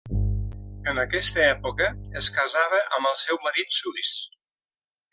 En aquesta època es casava amb el seu marit suís.